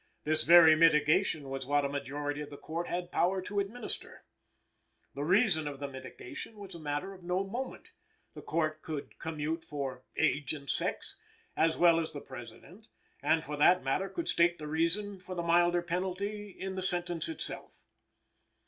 This very mitigation was what a majority of the Court had power to administer. The reason of the mitigation was a matter of no moment. The Court could commute for "age and sex" as well as the President, and, for that matter, could state the reason for the milder penalty in the sentence itself.